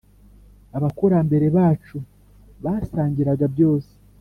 abakurambere bacu basangiraga byose